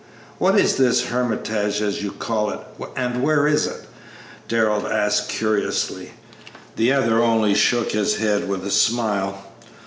"What is this hermitage, as you call it, and where is it?" Darrell asked, curiously. The other only shook his head with a smile.